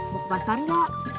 mau ke pasar gak